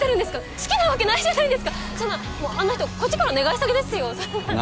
好きなわけないじゃないですかそんなもうあんな人こっちから願い下げですよはははっ。